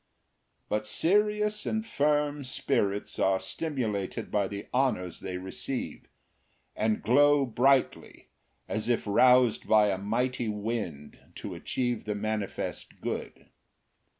But serious and firm spirits are stimulated by the honours they receive, and glow brightly, as if roused by a mighty wind to achieve the manifest good.